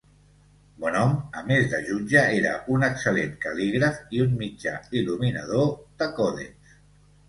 Bonhom, a més de jutge, era un excel·lent cal·lígraf i un mitjà il·luminador de còdexs.